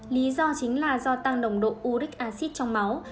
lý do chính là do tăng đồng độ uric acid trong máu